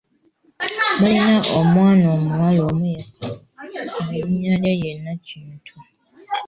Baalina omwana omuwala omu yekka ng'erinnya lye ye Nakintu.